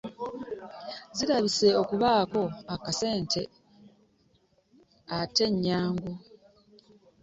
Zirabise okubaako akasente ate nnyangu.